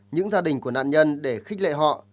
những gia đình của nạn nhân để khích lệ họ